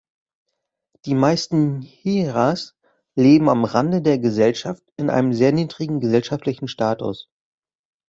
Die meisten Hijras leben am Rande der Gesellschaft in einem sehr niedrigen gesellschaftlichen Status.